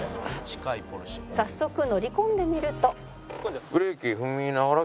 「早速乗り込んでみると」